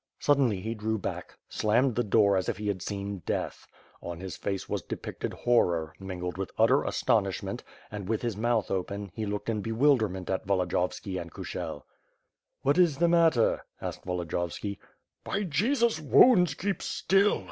Suddenly, he drew back, slammed the door as if he seen death. On his face was depicted horror, mingled with utter astonishment and, with his mouth open, he looked in bewil derment at Volodiyovski and Kushel. "What is the matter?" asked Volodiyovski. "By Jesus' wounds, keep still!"